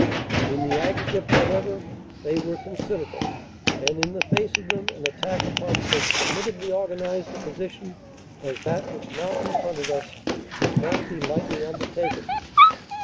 In the aggregate, however, they were considerable, and in the face of them an attack upon so formidably organized a position as that which now confronted us could not be lightly undertaken.